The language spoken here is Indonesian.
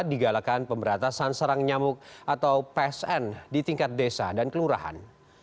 digalakan pemberatasan serang nyamuk atau psn di tingkat desa dan kelurahan